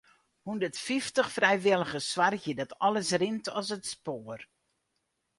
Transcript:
Hûndertfyftich frijwilligers soargje dat alles rint as it spoar.